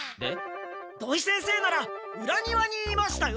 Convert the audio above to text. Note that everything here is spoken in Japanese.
土井先生なら裏庭にいましたよ。